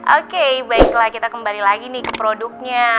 oke baiklah kita kembali lagi nih ke produknya